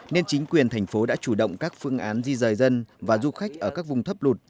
nên chính quyền thành phố đã chủ động các phương án di rời dân và du khách ở các vùng thấp lụt